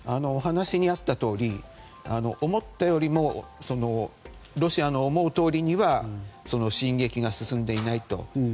お話にあったとおり思ったよりもロシアの思うとおりには進撃が進んでいないと。